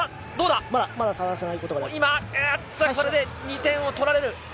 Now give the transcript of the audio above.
これで２点を取られる。